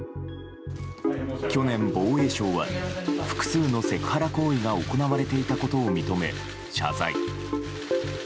去年、防衛省は複数のセクハラ行為が行われていたことを認め、謝罪。